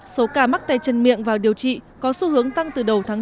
số ca mắc tay chân miệng vào điều trị có xu hướng tăng từ đầu tháng bốn